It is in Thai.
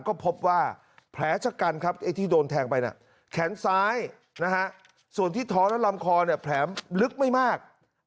ก็พบว่าแผลชะกันครับไอ้ที่โดนแทงไปแขนซ้ายนะฮะส่วนที่ท้องและลำคอเนี่ยแผลลึกไม่มาก